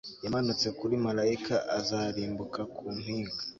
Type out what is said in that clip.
Yamanutse kuri marayika azarimbuka ku mpinga